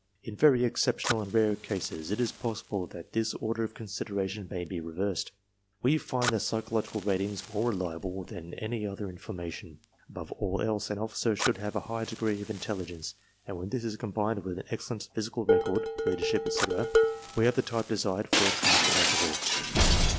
In very exceptional and rare cases it is possible that this order of consideration may be reversed. ... We find the psychological ratings more reliable than any other in formation. Above all else, an officer should have a high degree of in telligence, and when this is combined with an excellent physical record, leadership, etc., we have the type desired for a commissioned officer."